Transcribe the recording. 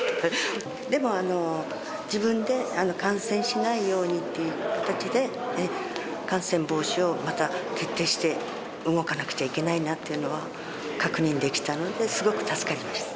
でも、自分で感染しないようにっていう形で、感染防止をまた徹底して動かなくちゃいけないなっていうのは確認できたので、すごく助かりました。